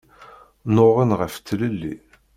Nuɣen ɣef tlelli.